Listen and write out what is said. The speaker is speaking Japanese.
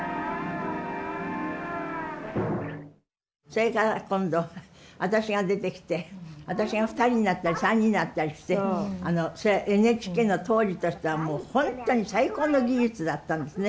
それから今度私が出てきて私が２人になったり３人になったりしてそれはＮＨＫの当時としては本当に最高の技術だったんですね。